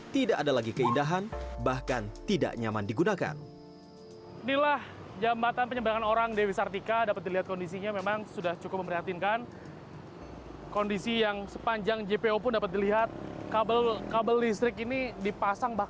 tidak ada lagi keindahan bahkan tidak nyaman digunakan